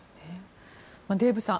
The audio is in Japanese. デーブさん